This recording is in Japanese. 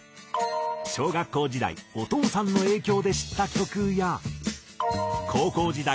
小学校時代お父さんの影響で知った曲や高校時代